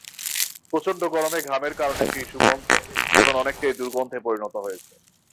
প্রচণ্ড গরমে ঘামের কারণে সেই সুগন্ধ এখন অনেকটাই দুর্গন্ধে পরিণত হয়েছে।